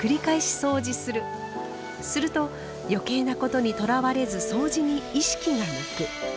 すると余計なことにとらわれずそうじに意識が向く。